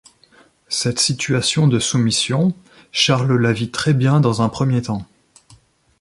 Cette situation de soumission, Charles la vit très bien dans un premier temps.